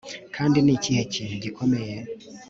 kandi ni ikihe kintu gikomeye